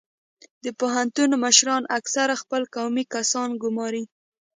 د پوهنتون مشران اکثرا خپل قومي کسان ګماري